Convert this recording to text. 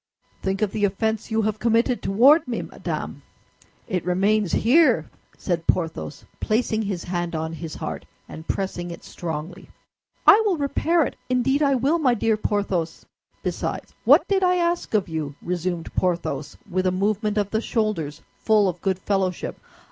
"Think of the offense you have committed toward me, madame! It remains here!" said Porthos, placing his hand on his heart, and pressing it strongly. "I will repair it, indeed I will, my dear Porthos." "Besides, what did I ask of you?" resumed Porthos, with a movement of the shoulders full of good fellowship.